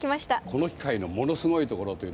この機械のものすごいところというのはね